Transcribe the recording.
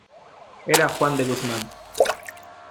era Juan de Guzmán.